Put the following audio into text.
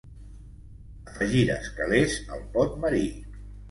Afegires calés al pot marí.